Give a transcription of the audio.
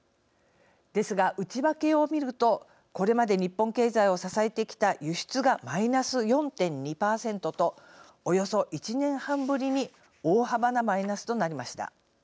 ですが、内訳を見るとこれまで日本経済を支えてきた輸出がマイナス４．２％とおよそ１年半ぶりに大幅なマイナスとなりました。